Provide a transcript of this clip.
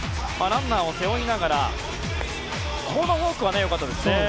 ランナーを背負いながらこのフォークは良かったですね。